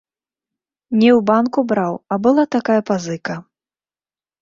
Не ў банку браў, а была такая пазыка.